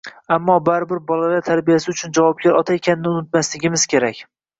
Ammo baribir bolalar tarbiyasi uchun javobgar ota ekanini unumasligimiz kerak